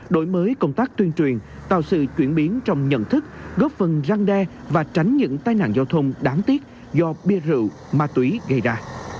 đổi mới công tác tuyên truyền tạo sự chuyển biến trong nhận thức góp phần răng đe và tránh những tai nạn giao thông đáng tiếc do bia rượu ma túy gây ra